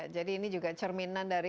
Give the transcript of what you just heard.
jadi ini juga cerminan dari